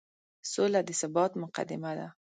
سوله د ثبات مقدمه ده.